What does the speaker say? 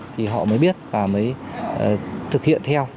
thì họ mới biết và mới thực hiện theo